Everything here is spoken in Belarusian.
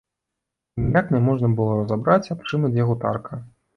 І ніяк няможна было разабраць, аб чым ідзе гутарка.